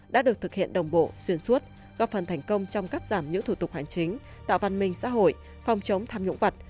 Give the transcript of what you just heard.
đã được thực hiện đồng bộ xuyên suốt góp phần thành công trong cắt giảm những thủ tục hành chính tạo văn minh xã hội phòng chống tham nhũng vật